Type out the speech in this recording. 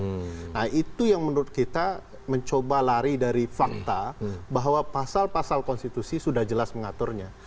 nah itu yang menurut kita mencoba lari dari fakta bahwa pasal pasal konstitusi sudah jelas mengaturnya